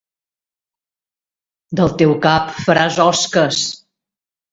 Del teu cap faràs osques.